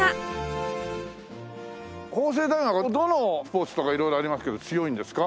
法政大学はどのスポーツとか色々ありますけど強いんですか？